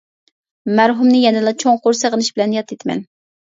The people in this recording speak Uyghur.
مەرھۇمنى يەنىلا چوڭقۇر سېغىنىش بىلەن ياد ئېتىمەن.